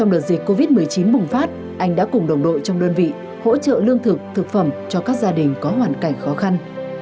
trong đợt dịch covid một mươi chín bùng phát anh đã cùng đồng đội trong đơn vị hỗ trợ lương thực thực phẩm cho các gia đình có hoàn cảnh khó khăn